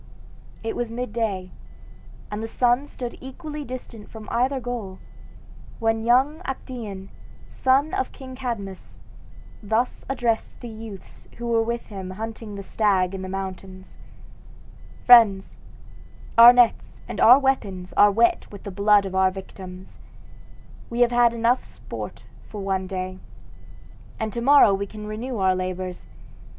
It was midday, and the sun stood equally distant from either goal, when young Actaeon, son of King Cadmus, thus addressed the youths who with him were hunting the stag in the mountains: "Friends, our nets and our weapons are wet with the blood of our victims; we have had sport enough for one day, and to morrow we can renew our labors.